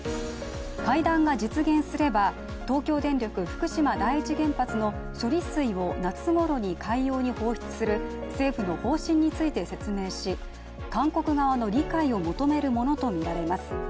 会談が実現すれば、東京電力福島第一原発の処理水を夏ごろに海洋に放出する政府の方針について説明し韓国側の理解を求めるものとみられます。